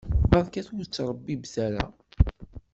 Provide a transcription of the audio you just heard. Barket ur ttṛabibbet ara.